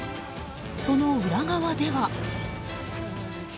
その裏側では。